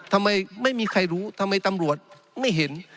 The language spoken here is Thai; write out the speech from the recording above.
ทำไมไม่มีใครรู้ทำไมตำรวจไม่เห็น